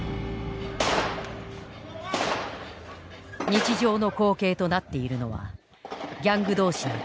日常の光景となっているのはギャング同士の銃撃戦だ。